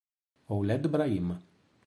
Ouled Brahim